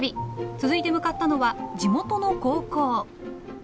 続いて向かったのは地元の高校。